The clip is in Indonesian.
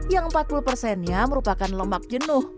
yang empat puluh persennya merupakan lemak jenuh